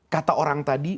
kata orang tadi